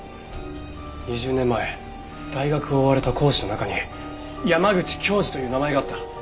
２０年前大学を追われた講師の中に山口享二という名前があった。